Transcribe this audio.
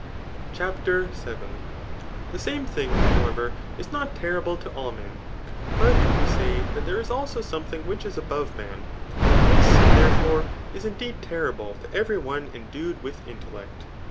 CHAPTER VII. . The same thing, however, is not terrible to all men ; but we say that there is also something which is above BDOik ;' this, therefore, is indeed terrible to every one en dued with intellect.